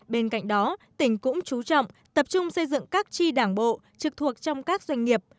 bên cạnh đó tỉnh cũng chú trọng tập trung xây dựng các tri đảng bộ trực thuộc trong các doanh nghiệp